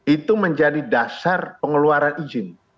itu menjadi dasar pengeluaran izin